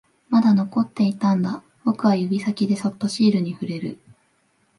まだ残っていたんだ、僕は指先でそっとシールに触れる